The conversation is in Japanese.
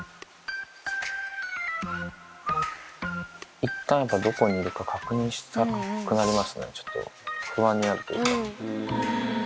いったんどこにいるか確認したくなりますね、ちょっと、不安になるっていうか。